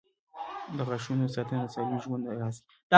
• د غاښونو ساتنه د سالم ژوند راز دی.